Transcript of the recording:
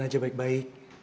simpen aja baik baik